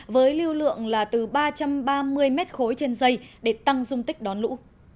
với lưu lượng là từ ba trăm ba mươi mét khối trên dây để tăng dung tích đón lũ